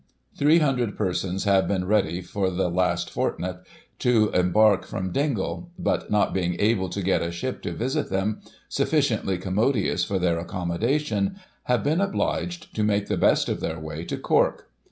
Three hundred persons have been ready, for the last fortnight, to embark from Dingle ; but, not being able to get a ship to visit them, sufficiently commodious for their accommodation, have been obliged to make the best of their way to Cork.